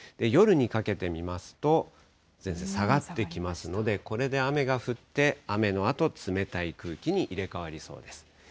夜にかけてみますと、前線下がってきますので、これで雨が降って、雨のあと、冷たい空気に入れ代わりそうです。